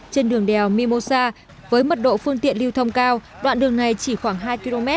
trên đường đèo mimosa với mật độ phương tiện lưu thông cao đoạn đường này chỉ khoảng hai km